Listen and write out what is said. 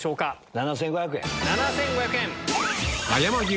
７５００円。